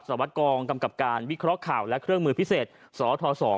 สารวัตรกองกำกับการวิเคราะห์ข่าวและเครื่องมือพิเศษสท๒